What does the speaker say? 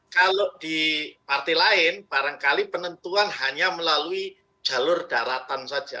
kalau di partai lain barangkali penentuan hanya melalui jalur daratan saja